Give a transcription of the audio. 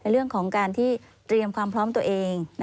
เรื่องของการที่เตรียมความพร้อมตัวเอง